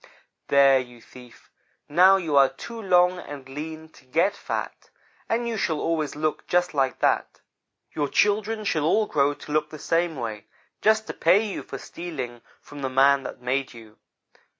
"'There, you thief now you are too long and lean to get fat, and you shall always look just like that. Your children shall all grow to look the same way, just to pay you for your stealing from the man that made you.